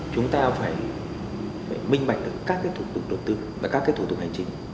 chúng ta phải minh bạch các thủ tục đầu tư và các thủ tục hành chính